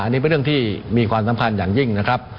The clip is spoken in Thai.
อันนี้เป็นเรื่องที่มีความสำคัญอย่างยิ่งนะครับ